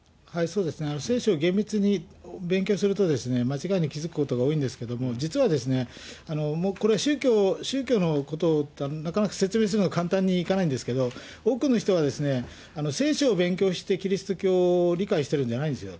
聖書を厳密に勉強すると、間違いに気付くことが多いんですけれども、実はですね、宗教のこと、なかなか説明するのは簡単にいかないんですけど、多くの人は聖書を勉強してキリスト教を理解してるんじゃないんですよ。